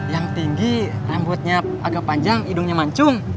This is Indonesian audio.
yang tinggi rambutnya agak panjang hidungnya mancung